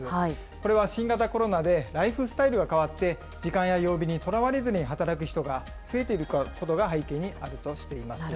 これは新型コロナでライフスタイルが変わって、時間や曜日にとらわれずに働く人が増えていることが背景にあるとしています。